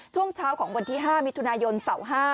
ช่วงเช้าของวันที่๕มิถุนายนเสาร์๕